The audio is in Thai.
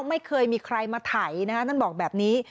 ไม่เคยมีใครมาไถนั่นบอกแบบนี้